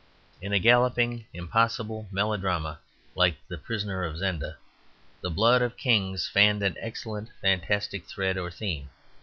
In a galloping, impossible melodrama like "The Prisoner of Zenda," the blood of kings fanned an excellent fantastic thread or theme.